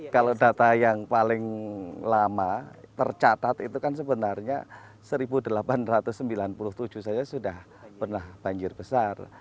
kalau data yang paling lama tercatat itu kan sebenarnya seribu delapan ratus sembilan puluh tujuh saja sudah pernah banjir besar